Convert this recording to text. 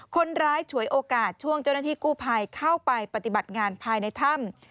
ฉวยโอกาสช่วงเจ้าหน้าที่กู้ภัยเข้าไปปฏิบัติงานภายในถ้ำ